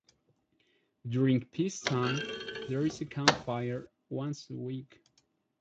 During peace time, there is a campfire once a week.